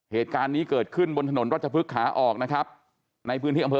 เหตุการณ์นี้เกิดขึ้นบนถนนรัชพฤกษาออกนะครับในพื้นที่อำเภอ